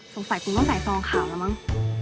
สงสัตย์กูต้องใส่ซองขาวเหรอมั้ง